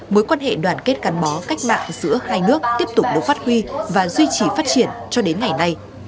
mối quan hệ đoàn kết gắn bó cách mạng giữa hai nước tiếp tục đối phát huy và duy trì phát triển cho đến ngày nay